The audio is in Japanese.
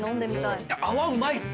泡うまいっす。